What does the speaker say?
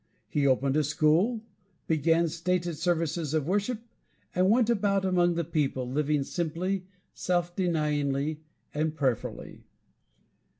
He opened a school, began stated services of worship, and went about among the people, living simply, self denyingly, and prayerfully.